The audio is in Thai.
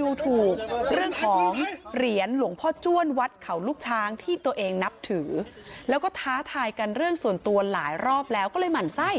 ดูถูกเรื่องของเหรียญหลวงพ่อจ้วนวัดเขาลูกช้างที่ตัวเองนับถือแล้วก็ท้าทายกันเรื่องส่วนตัวหลายรอบแล้วก็เลยหมั่นไส้